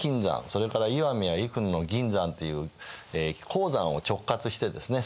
それから石見や生野の銀山っていう鉱山を直轄してですね